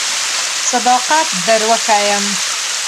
صداقت در وښیم.